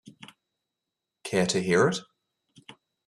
Care to hear it?